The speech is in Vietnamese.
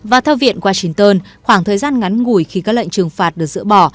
vào thơ viện washington khoảng thời gian ngắn ngủi khi các lệnh trừng phạt được dỡ bỏ